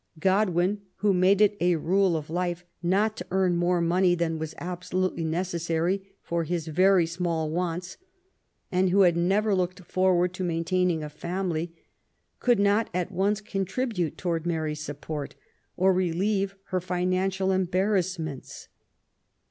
Godwin, who had made it a rule of life not to earn more money than was absolutely necessary for his very small wants, and who had never looked forward to maintaining a family, could not at once con tribute towards Mary's support, or relieve her financial embarrassments.